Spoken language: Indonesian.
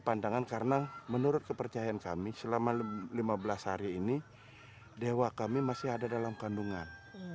pandangan karena menurut kepercayaan kami selama lima belas hari ini dewa kami masih ada dalam kandungan